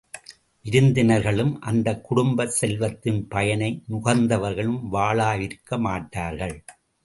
விருந்தினர்களும், அந்தக் குடும்பச் செல்வத்தின் பயனை நுகர்ந்தவர்களும் வாளாவிருக்க மாட்டார்கள்.